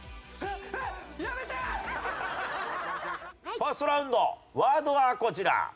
ファーストラウンドワードはこちら。